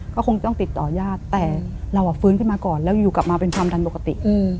ก็คงจะต้องติดต่อญาติแต่เราฟื้นขึ้นมาก่อนแล้วอยู่กลับมาเป็นความดันปกติ